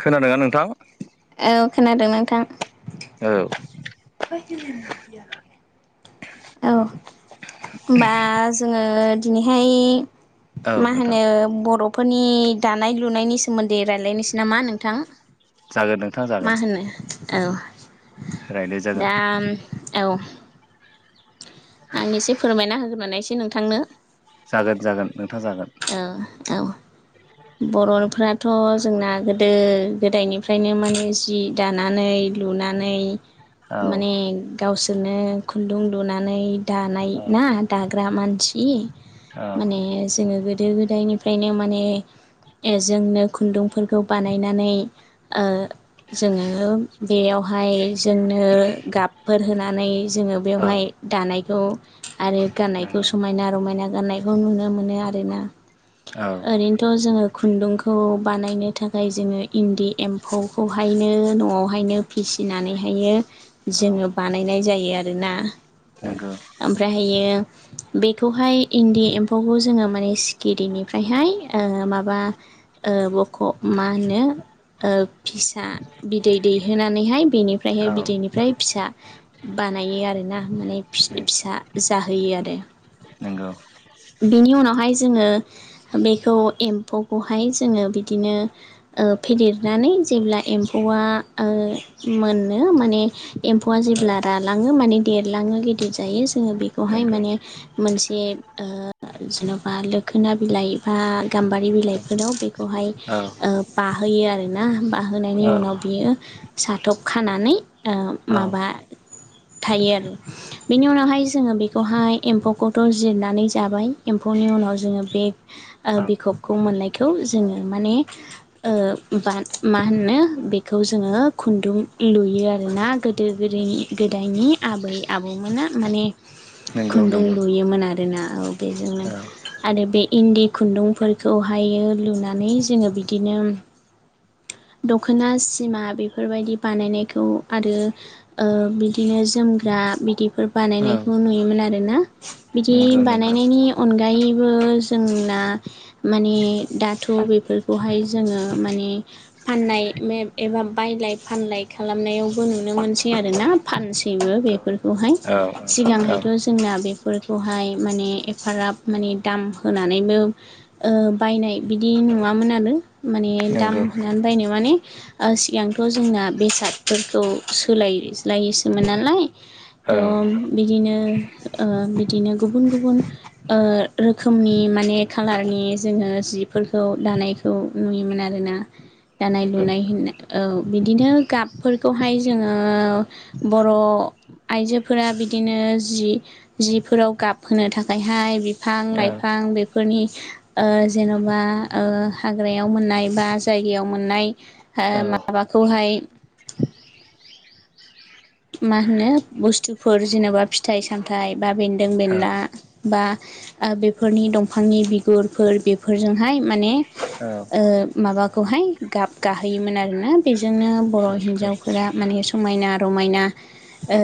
खोनादोंना नोंथां? औ खोनादों नोंथां औ। [unintelligible] औ होनबा जोङो दिनैहाय औ मा नोंथां होनो ओ बर' फोरनि दानाय लुनायनि सोमोन्दै रायज्लायनोसै नामा नोंथां? जागोन नोंथां मा जागोन। होनो औ। रायलाय जागोन। दा औ। आं एसे फोरमायना होगोमानायसै नोंथांनो। जागोन जागोन नों औ औ बर'फ्रा थ' जोंना गोदो गोदायनिफ्रायनो माने जि दानानै लुनानै औ माने गावसोरनो खुन्दुं लुनानै दानाय औ ना दा ग्रा मानसि औ माने जोङो गोदो गोदायनिफ्रायनो माने जोंनो खुन्दुंफोरखौ बानायनानै ओ जोङो बेयावहाय जोंनो गाबफोर होनानै जोङो औ बेवहाय दानायखौ आरो गाननायखौ नंगौ समायना रमायना गाननाय खौ नुनो मोनो आरोना औ ओरैनोथ' जोङो खुन्दुंखौ बानायनो थाखाय जोङो इन्दि एम्फौखौहायनो न'आवहायनो फिसि फिनानैहायो जोङो बानायनाय जायो आरो ना। नोंगौ। बेयो बेखौहाय इन्दि एम्फौखौ जोङो माने सि खिरिनिफ्रायहाय ओ माबा ओ ब ख' मा होनो ओ फिसा बिदै दैहोनानैहाय बेनिफ्रायहाय औ बिदैनिफ्राय फिसा बानायो आरोना माने फि-फिसा जाहोयो आरो। नोंगौ। बिनि उनावहाय जोङो बेखौ एम्फौखौहाय जोङो बिदिनो ओ फेदेरनानै जेब्ला एम्फौआ ओ मोननो माने एम्फौआ औ जेब्ला रालाङो माने देरलाङो गिदिर जायो जोङो बेखौहाय नंगौ औ माने मोनसे ओ ज बा लोखोना बिलाइ बा गाम्बारि बिलाइफोराव बेखौहाय ओ बाहोयो आरो ना बा होनायनि औ उनाव बियो साथब खानानै ओ औ माबा थायो आरो बेनि उनावहाय जोङो बेखौहाय एम्फौखौथ' जिरनानै जाबाय एम्फौनि उनाव जोङो बे औ बिखबखौ मोननायखौ जोङो माने ओ मा होनो बेखौ जोङो खुन्दुं लुयो आरोना गोदो गोदयनि नंगौ गोदाय आइनि आबै आबौमोना माने नंगौ खुन्दुं नंगौ लुयोमोन आरोना औ बेजोंनो। औ आरो बे इन्दि खुन्दुंफोरखौहायो लुनानै जोङो बिदिनो [inaudible] दख'ना सिमा बेफोरबायदि बानायनायखौ आरो ओ बिदिनो जोमग्रा आ बिदिफोर औ बानायनायखौ नुयोमोन आरोना। बिदि नंगौ नंगौ बानायनायनि अनगायैबो जोंना माने दाथ' बेफोरखौहाय जोङो माने फाननाय एबा बायलाय फानलाय खालामनायावबो नुनो मोनसै आरोना। फानसैबो नंगौ बेफोरखौहाय। औ औ सिगांहायथ' जोंना बेफोरखौहाय माने एफाग्राब माने दाम होनानैबो बायनाय बिदि नुवामोन आरो माने। दाम नंगौ होनानै बायनो माने सिगांथ' जोंना बेसादफोरखौ सोलाय सोलायोसोमोन नालाय औ त' बिदिनो बिदिनो गुबुन गुबुन ओ रोखोमनि माने खाालारनि जोङो जिफोरखौ दानायखौ नुयोमोन आरो। [inaudible] दानाय नंगौ लुनाय होननाय औ बिदिनो गाबफोरखौहाय जोङो बर' आइजोफोरा बिदिनो जि जिफोराव गाब होनो थाखाय बेहाय बिफां लाइफां बेफोरनि जेन'बा हाग्रायाव मोननाय एबा जायगायाव मोननाय औ माबाखौहाय मा होनो बुस्थुफोर जेन'बा फिथाइ सामथाइ बा बेन्दों बेनला बा ओ बेफोरनि दंफांनि बिगुरफोर बेफोरजोंहाय माने ओ माबाखौहाय गाब गाहोयोमोन आरोना। बेजोंनो बर' हिन्जावफोरा माने समायना रमायना औ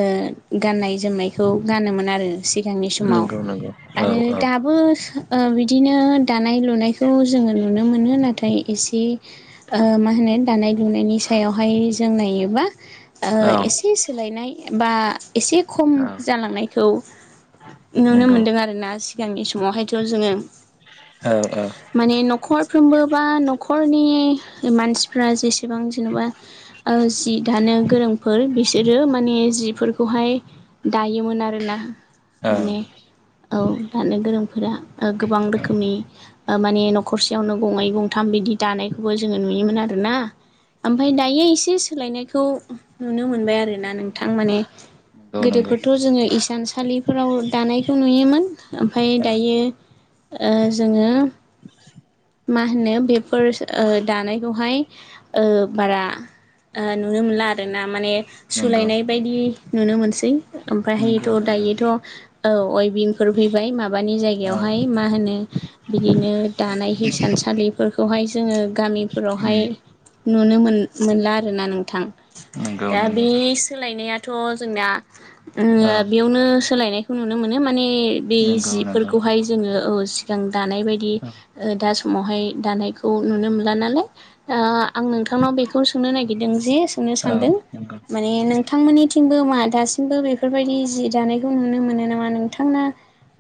गाननाय जोमनायखौ गानोमोन आरो। सिगांनि समाव नंगौ नंगौ औ आरो दाबो ओ बिदिनो दानाय लुनायखौ जोङो नुनो मोनो। नाथाय एसे ओ मा होनो दानाय लुनायनि सायावहाय जों नायोबा औ औ एसे सोलायनाय बा एसे खम औ जालांनायखौ नुनो नंगौ मोनदों आरोना। सिगांनि समावहायथ' जोङो औ औ। माने न'खरफ्रोमबो बा न'खरनि मानसिफ्रा जेसेबां जेन'बा ओ जि दानो गोरों फोर बिसोरो माने जिफोरखौहाय दायोमोन आरोना। औ। माने औ दानो गोरोंफोरा गोबां रोखोमनि माने न'खरसेयावनो गंनै गंथाम बिदि दानायखौबो जोङो नुयोमोन आरोना। ओमफाय दायो एसे सोलायनायखौ नुनो मोनबाय आरोना नोंथां माने नंगौ नंगौ गोदोफोरथ' जोङो इसान सालिफोराव दानायखौ नुयोमोन। ओमफाय औ दायो ओ जोङो मा होनो बेफोर ओ दानायखौहाय ओ बारा ओ नुनो मोनला आरोना। माने नंगौ सोलायनाय बायदि नुनो मोनसै नंगौ ओमफ्रायहायोथ' दा नंगौ दायोथ' औ वेबिंफोर फैबाय माबानि औ जायगायावहाय मा होनो बिदिनो दानाय हिसान सालिफोरखौहाय जोङो गामिफोरावहाय नुनो मोन-मोनला आरोना नोंथां। नंगौ दा नंगौ बे सोलायनायाथ' जोंना ओ औ बेयावनो सोलायनायखौ नुनो मोनो। मा माने बे नंगौ नंगौ जिफोरखौहाय जोङो औ सिगां दानाय बादि दा समावहाय दानायखौ नुनो मोनला नालाय ओ आं नोंथांनाव बेखौ सोंनो नागेरदों जे सोंनो औ सानदों नंगौ माने नों थांमोननिथिंबो मा दासिमबो बेफोर बायदि जि दानायखौ नुनो मोनो नामा नोंथां ना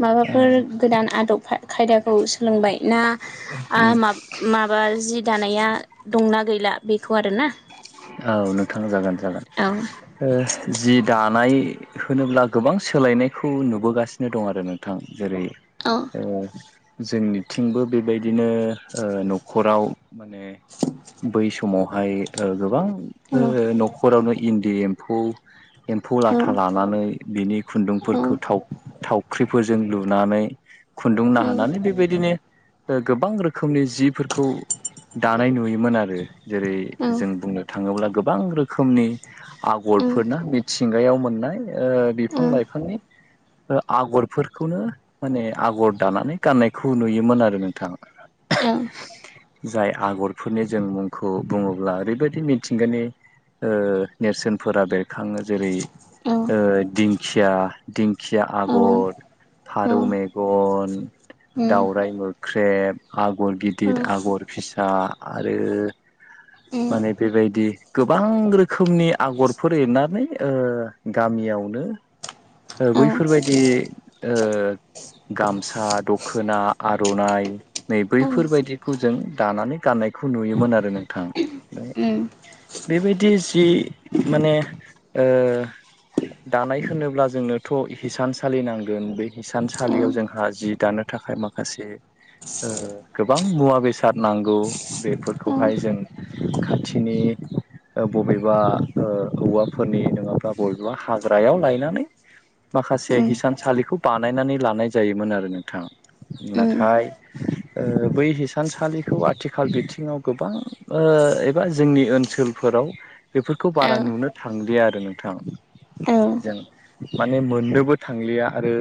माबाफोर गोदान आदब खायदाखौ सोलोंबाय ना आ माब-माबा जि दानाया दंना गैला बेखौ आरोना। औ नोंथां जागोन जागोन औ ओ जि दा नाय होनोब्ला गोबां सोलायनायखौ नुबोगासिनो दं आरो नोंथां। जेरै औ ओ जोंनिथिंबो बेबायदिनो ओ न'खराव माने बै समावहाय ओ गोबां औ नंगौ ओ न'खरावनो इन्दि एम्फौ एम्फौ औ लाथा लानानै बिनि औ खुन्दुंफोरखौ थाव-थावख्रिफोरजों लु नानै खुन्दुं औ नानानै बेबायदिनो ओ गोबां रोखोमनि जिफोरखौ दानाय नुयोमोन आरो। जेरै औ जों बुंनो थाङोब्ला गोबां रोखोमनि आग'रफोरना मिथि थिंगायाव मोननाय ओ बिफां लाइफांनि ओ आग'रफोरखौनो माने आग'र दानानै गाननायखौ नुयोमोन आरो नोंथां। औ जाय आग'रफोरनि जों मुंखौ बुङोब्ला ओरैबादि मिथिंगानि ओ नेरसोनफोरा बेरखाङो जेरै ओ दिं खिया दिं खिया आग'र फारौ मेगन दावराइ मोख्रेब आग'र गिदिर आग'र फिसा आरो माने बेबायदि गोबां रोखोमनि आग'रफोर एरनानै ओ गामियावनो ओ बैफोरबायदि ओ गामसा दखोना आर'नाइ नै बैफोरबायदिखौ जों दानानै गाननायखौ नुयोमोन आरो नोंथां ओ [unintelligible] जि माने ओ दानाय होनोब्ला जोंनोथ' हिसानसालि नांगोन बे हिसानसालियाव जोंहा जि दानो थाखाय माखासे ओ गोबां मुवा बेसाद नांगौ बेफोरखौहाय जों खाथिनि ओ बबेबा ओ औवाफोरनि नोङाब्ला बबेबा हाग्रायाव लायनानै माखासे हिसानसालिखौ बानायनानै लानाय जायोमोन आरो नोंथां। नाथाय ओ बै हिसानसालिखौ आथिखाल बिथिङाव गोबां ओ एबा जोंनि ओनसोल फोराव बेफोरखौ बारा नुनो थांलिया आरो नोंथां जों माने मोननोबो थांलिया आरो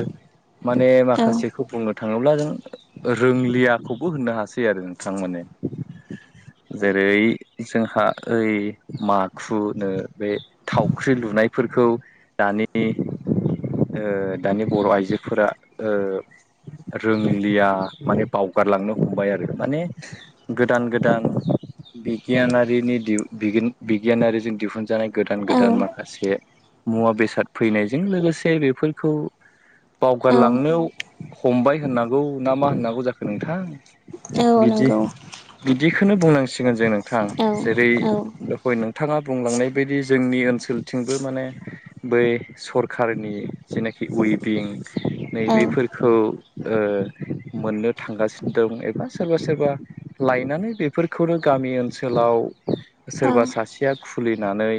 माने माखासेखौ बुंनो थाङोब्ला जों रोंलियाखौबो होननो हासै आरो नोंथां माने। [inaudible] जेरै जोंहा ओइ माखुनो बे थावख्रि लुनायफोरखौ दानि ओ दानि बर' आइजोफोरा ओ रोंलिया माने बावगारलांनो हमबाय आरो माने गोदान गोदान बिगियानारिनि दिहु बिगिन बिगियानारिजों दिहुनजानाय गोदान गोदान माखासे मुवा बेसाद फैनायजों लोगोसे बेफोरखौ बावगारलांनो हमबाय होननांगौ ना मा होननांगौ जाखो नोंथां? बिदि बिदिखोनो बुंनांसिगोन जों नोंथां जेरै दहय नोंथाङा बुंलांनाय बायदि जोंनि ओनसोलथिंबो माने बै सरखारनि जेनाखि उइबिं नैबेफोरखौ ओ मोननो थांगासिनो दोम एबा सोरबा सोरबा लायनानै बेफोरखौनो गामि ओनसोलाव सोरबा सासेया खुलिनानै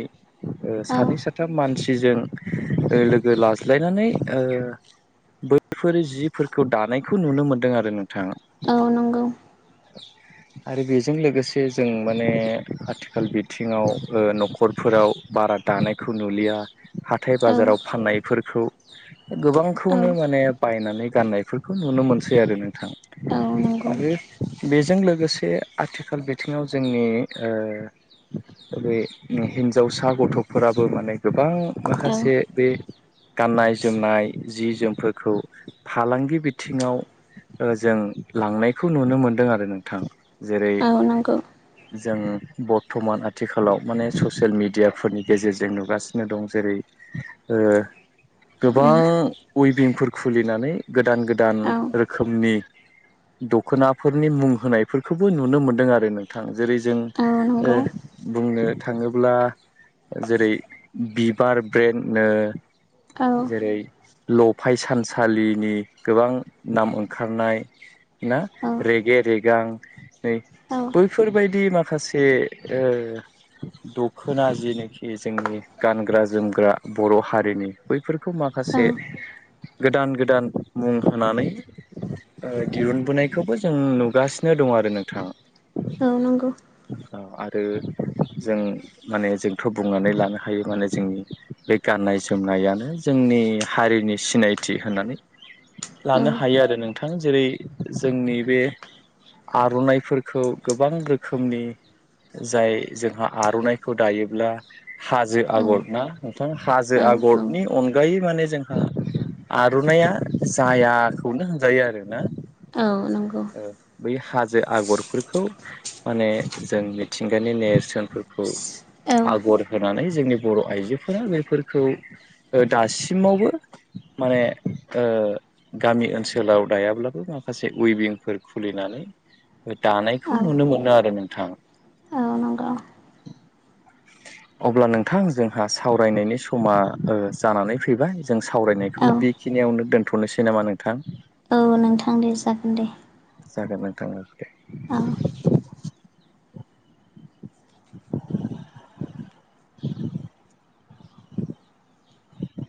ओ सानै साथाम मानसि सिजों ओ लोगो लाज्लायनानै ओ बैफोर जिफोरखौ दानायखौ नुनो मोनदों आरो नोंथां। नंगौ आरो बेजों लोगोसे जों माने आथि खाल बिथिङाव ओ न'खरफोराव बारा दानायखौ नुलिया। हाथाय औ बाजाराव फाननायफोरखौ औ गोबांखौनो माने बायनानै गाननायफोरखौ नुनो मोनसै आरो नोंथां औ नंगौ आरो बेजों लोगोसे आथिखाल बिथिङाव जोंनि ओ बे हिन्जावसा गथ'फोराबो माने गोबां औ माखासे बे गाननाय जोमनाय जि जोमफोरखौ फालांगि बिथिङाव ओ जों लांनायखौ नुनो मोनदों आरो नोंथां जेरै औ नंगौ औ नंगौ जों बर्थ'मान आथिखालाव माने ससियेल मेडियाफोरनि गेजेरजों नुगासिनो दं जेरै ओ गोबां उइभिंफोर खुलिनानै गोदान गोदान रोखोमनि दख'नाफोरनि मुं होनायफोरखौबो नुनो मोनदों आरो नोंथां। जेरै जों ओ बुंनो थाङोब्ला जेरै बिबार ब्रेन्ड औ ओ जेरै लफाय सानसालिनि गोबां नाम ओंखारनाय ना रेगे रेगां नै औ बैफोरबायदि माखासे ओ दख'ना जिनोखि जोंनि गानग्रा जोमग्रा बर' हारिनि बैफोर खौ माखासे औ गोदान गोदान मुं होनानै ओ दिरुनबोनायखौबो जों नुगासिनो दं आरो नोंथां। औ नंगौ। अ आरो जों माने जोंथ' बुंनानै लानो हायो माने जोंनि बे गाननाय गान्नाय जोमनायानो जोंनि हारिनि सिनायथि होननानै। [inaudible] लानो हायो आरो नोंथां। जेरै जोंनि बे आर'नाइफोरखौ गोबां रोखोमनि जाय जोंहा आर'नाइखौ दायोब्ला हाजो औ आगर ना नोंथां हाजो औ औ आगरनि अनगायै माने जोंहा आर'नाइया जायाखौनो होनजायो आरोना। औ। नंगौ ओ बै हा जो आगरफोरखौ माने जों मिथिंगानि नेरसोनफोरखौ औ आगर हो नानै जोंनि बर' आइजोफोरा बेफोरखौ दासिमावबो माने ओ गामि ओनसोलाव दायाब्लाबो माखासे उइभिं फोर खुलिनानै दानायखौ नुनो मोनो आरो नोंथां। [inaudible] औ नंगौ अब्ला नोंथां जोंहा सावरायनायनि समा ओ जानानै फैबाय जों औ सावरायनायखौ बेखिनियावनो दोनथ'नोसै नामा नोंथां? औ नोंथां दे जागोन दे। जागोन नोंथां ओं दे। औ [inaudible] [inaudible]